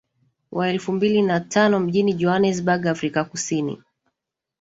Wa elfu mbili na tano mjini Johannesburg Afrika Kusini